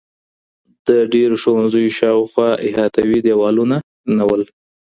د ډېرو ښوونځیو شاوخوا احاطوي دېوالونه نه وو.